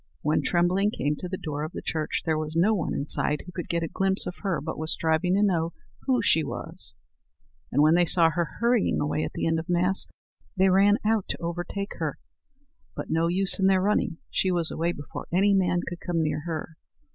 When Trembling came to the door of the church there was no one inside who could get a glimpse of her but was striving to know who she was: and when they saw her hurrying away at the end of Mass, they ran out to overtake her. But no use in their running; she was away before any man could come near her.